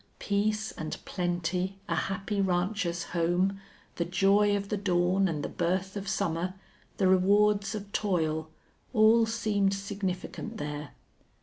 Peace and plenty, a happy rancher's home, the joy of the dawn and the birth of summer, the rewards of toil all seemed significant there.